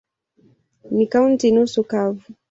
Ni kaunti nusu kavu.